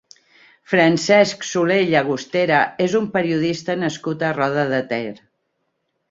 Francesc Soler i Llagostera és un periodista nascut a Roda de Ter.